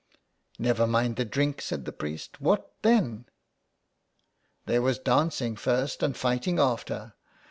" Never mind the drink," said the priest, " what then ?"There was dancing first and fighting after.